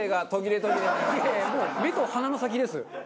いやいやもう目と鼻の先です。